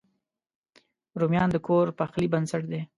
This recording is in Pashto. رومیان د کور پخلي بنسټ دی